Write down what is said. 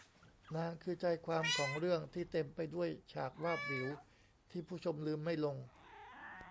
นาง คือใจความของเรื่องที่เต็มไปด้วยฉากวาบหวิวที่ผู้ชมลืมไม่ลง